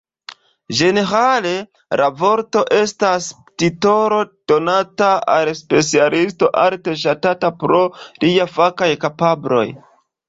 Ĝenerale la vorto estas titolo donata al specialisto alte ŝatata pro liaj fakaj kapabloj.